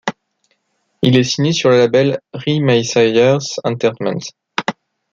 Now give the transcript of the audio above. Il est signé sur le label Rhymesayers Entertainment.